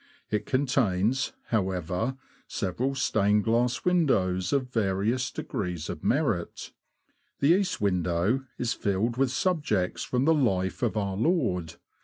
It contains, however, several stained glass windows, of various degrees of merit. The east window is filled with subjects from the life of our Lord.